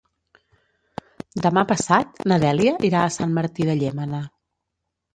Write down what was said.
Demà passat na Dèlia irà a Sant Martí de Llémena.